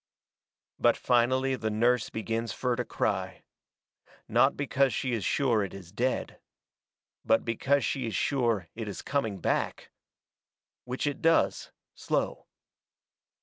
But finally the nurse begins fur to cry. Not because she is sure it is dead. But because she is sure it is coming back. Which it does, slow.